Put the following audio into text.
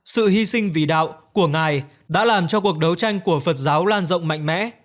sự hy sinh vì đạo của ngài đã làm cho cuộc đấu tranh của phật giáo lan rộng mạnh mẽ